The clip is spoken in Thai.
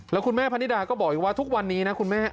แล้วคุณแม่พนิดาก็บอกอีกว่าทุกวันนี้นะคุณแม่